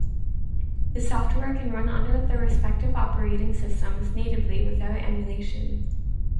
The software can run under their respective operating systems natively without emulation.